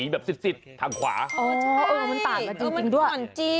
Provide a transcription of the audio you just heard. มันต่างกันจริงด้วย